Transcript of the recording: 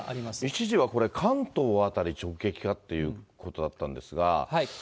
一時はこれ、関東辺り直撃かっていうことだったんですが。